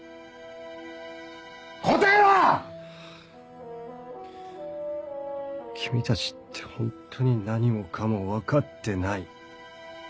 答えろ‼君たちってホントに何もかも分かってない。